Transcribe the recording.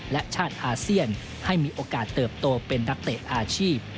และชาติอาเซียนให้มีโอกาสเติบโตเป็นนักเตะอาชีพ